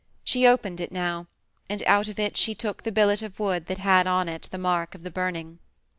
She opened it now, and out of it she took the billet of wood that had on it the mark of the burning.